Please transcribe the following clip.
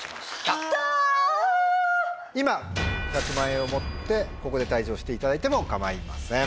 今１００万円を持ってここで退場していただいても構いません。